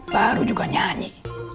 baru juga nyanyi